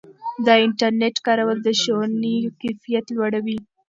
د انټرنیټ کارول د ښوونې کیفیت لوړوي.